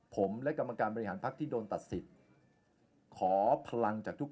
ผมและกรรมการบริหารพักที่โดนตัดสิทธิ์ขอพลังจากทุก